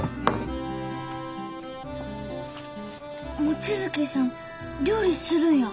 望月さん料理するんや。